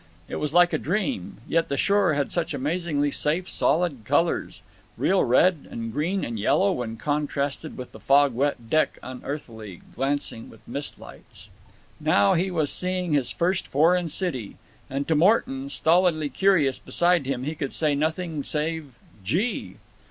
It was like a dream, yet the shore had such amazingly safe solid colors, real red and green and yellow, when contrasted with the fog wet deck unearthily glancing with mist lights. Now he was seeing his first foreign city, and to Morton, stolidly curious beside him, he could say nothing save "Gee!"